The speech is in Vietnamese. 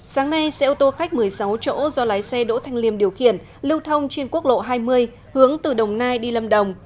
sáng nay xe ô tô khách một mươi sáu chỗ do lái xe đỗ thanh liêm điều khiển lưu thông trên quốc lộ hai mươi hướng từ đồng nai đi lâm đồng